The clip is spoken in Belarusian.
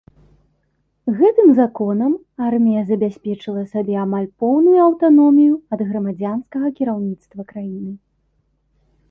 Гэтым законам армія забяспечыла сабе амаль поўную аўтаномію ад грамадзянскага кіраўніцтва краіны.